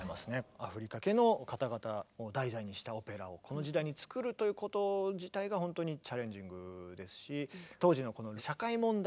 アフリカ系の方々を題材にしたオペラをこの時代に作るということ自体が本当にチャレンジングですし。